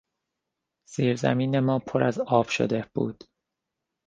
زیرزمین ما پر از آب شده بود.